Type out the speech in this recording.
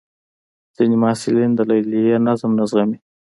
ځینې محصلین د لیلیې نظم نه زغمي.